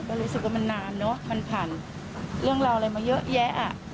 ก็รู้สึกว่ามันนานเนอะมันผ่านเรื่องราวอะไรมาเยอะแยะอ่ะ